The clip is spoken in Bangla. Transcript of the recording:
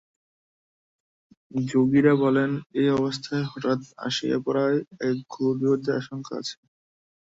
যোগীরা বলেন, এই অবস্থায় হঠাৎ আসিয়া পড়ায় এক ঘোর বিপদের আশঙ্কা আছে।